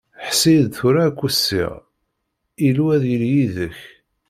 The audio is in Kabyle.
Ḥess-iyi-d tura ad k-weṣṣiɣ, Illu ad yili yid-k!